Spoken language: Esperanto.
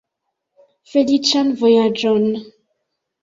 Feliĉan vojaĝon!